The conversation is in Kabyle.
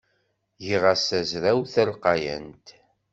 Giɣ-as tazrawt talqayant.